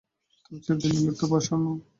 তুমি চিরদিন নির্লিপ্ত, প্রসন্ন।